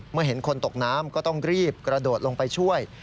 เมื่อเห็นคนตกน้ำก็ต้องรีบกระโดดลงไปช่วย